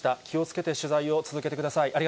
気をつけて取材を続けてください。